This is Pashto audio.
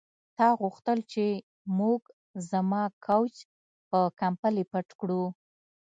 تا غوښتل چې موږ زما کوچ په کمپلې پټ کړو